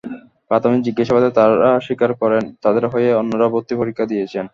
প্রাথমিক জিজ্ঞাসাবাদে তাঁরা স্বীকার করেন, তাঁদের হয়ে অন্যরা ভর্তি পরীক্ষা দিয়েছেন।